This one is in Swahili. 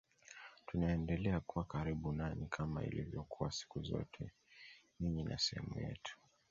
Tunaendelea kuwa karibu nanyi kama ilivyokuwa siku zote ninyi ni sehemu yetu